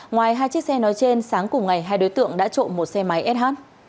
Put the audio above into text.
ngoài hai chiếc xe nói trên sáng cùng ngày hai đối tượng đã trộm một xe máy s h